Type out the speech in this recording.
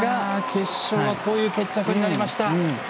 決勝はこういう決着になりました。